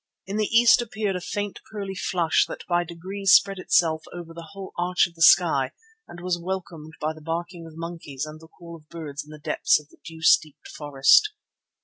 In the east appeared a faint pearly flush that by degrees spread itself over the whole arch of the sky and was welcomed by the barking of monkeys and the call of birds in the depths of the dew steeped forest.